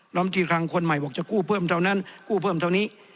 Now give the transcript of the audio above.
ลำตีคลังคนใหม่บอกจะกู้เพิ่มเท่านั้นกู้เพิ่มเท่านี้